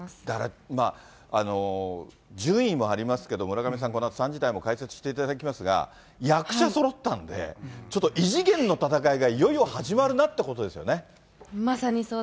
だから、順位もありますけども、村上さん、このあと３時台も解説していただきますが、役者そろったんで、ちょっと異次元の戦いがいよいよ始まるなということですよね。